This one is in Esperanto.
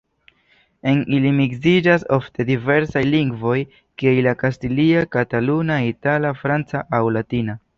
En ili miksiĝas ofte diversaj lingvoj kiaj la kastilia, kataluna, itala, franca aŭ latina.